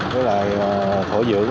với thổ dưỡng